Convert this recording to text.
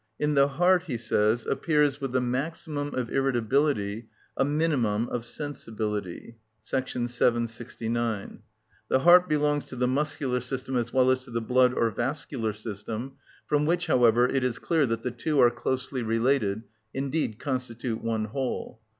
"In the heart," he says, "appears, with the maximum of irritability, a minimum of sensibility" (loc. cit., § 769). The heart belongs to the muscular system as well as to the blood or vascular system; from which, however, it is clear that the two are closely related, indeed constitute one whole.